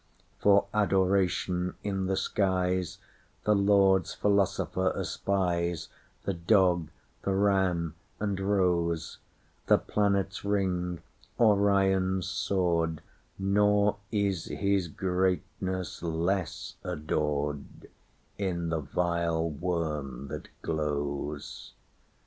For Adoration, in the skies, The Lord's philosopher espiesThe dog, the ram, and rose; The planets' ring, Orion's sword; Nor is his greatness less adoredIn the vile worm that glows.